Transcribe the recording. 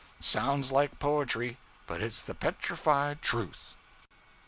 Sounds like poetry, but it's the petrified truth.'